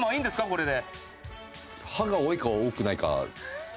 これで。